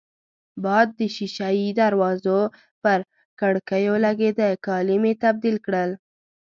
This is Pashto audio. باد د شېشه يي دروازو پر کړکېو لګېده، کالي مې تبدیل کړل.